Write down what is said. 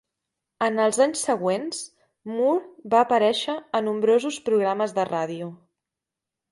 En els anys següents, Moore va aparèixer a nombrosos programes de ràdio.